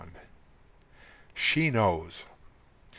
SHE KNOWS.